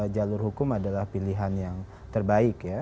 jalur hukum adalah pilihan yang terbaik ya